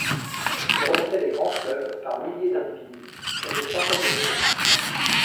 Il remontait les grands fleuves par milliers d'individus, sur des centaines de kilomètres.